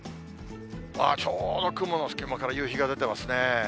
ちょうど雲の隙間から夕日が出てますね。